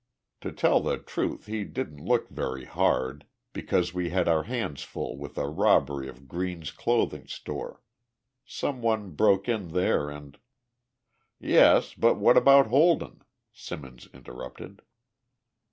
To tell the truth, he didn't look very hard because we had our hands full with a robbery of Green's clothing store. Some one broke in there and " "Yes but what about Holden?" Simmons interrupted.